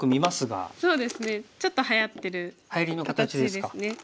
そうですねちょっとはやってる形ですね。